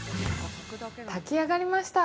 ◆炊き上がりました。